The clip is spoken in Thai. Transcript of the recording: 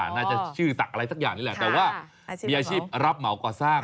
น่าจะชื่อตักอะไรสักอย่างนี้แหละแต่ว่ามีอาชีพรับเหมาก่อสร้าง